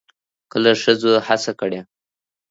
کله ښځو هڅه کړې